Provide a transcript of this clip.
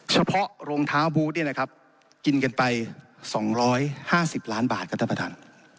เฉพาะรองเท้าบูธเนี่ยนะครับกินกันไป๒๕๐ล้านบาทครับท่านประธาน